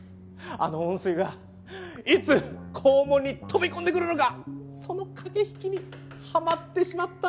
あの温水がいつ肛門に飛び込んでくるのかその駆け引きにハマってしまったんだ！